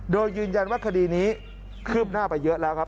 โดยยืนยันว่าคดีนี้คืบหน้าไปเยอะแล้วครับ